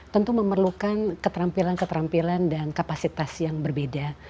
tentu memerlukan keterampilan keterampilan dan kapasitas yang berbeda